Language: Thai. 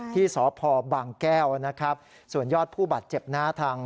ที่สพแก้วนะครับส่วนยอดผู้บัตรเจ็บหน้าทาง